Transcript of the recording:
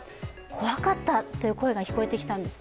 怖かったという声が聞こえてきたんです。